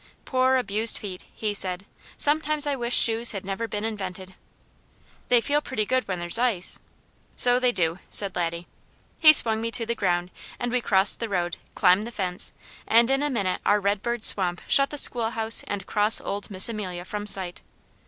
"Poor abused feet," he said. "Sometimes I wish shoes had never been invented." "They feel pretty good when there's ice." "So they do!" said Laddie. He swung me to the ground, and we crossed the road, climbed the fence, and in a minute our redbird swamp shut the schoolhouse and cross old Miss Amelia from sight.